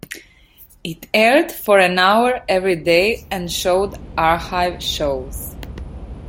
It aired for an hour everyday and showed archive shows.